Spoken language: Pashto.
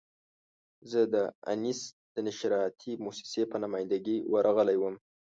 زه د انیس د نشراتي مؤسسې په نماینده ګي ورغلی وم.